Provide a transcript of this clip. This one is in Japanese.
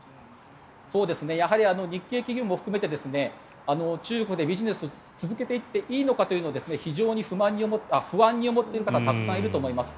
やはり日系企業も含めて中国でビジネスを続けていっていいのかというのを不安に思っている方はたくさんいると思います。